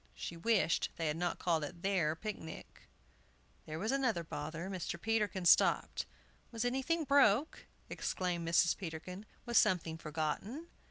She wished they had not called it their picnic. There was another bother! Mr. Peterkin stopped. "Was anything broke?" exclaimed Mrs. Peterkin. "Was something forgotten?"